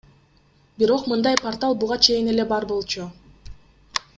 Бирок мындай портал буга чейин эле бар болчу.